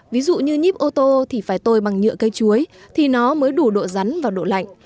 ví dụ như nhíp ô tô thì phải tôi bằng nhựa cây chuối thì nó mới đủ độ rắn và độ lạnh